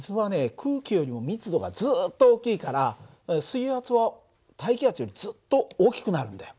空気よりも密度がずっと大きいから水圧は大気圧よりずっと大きくなるんだよ。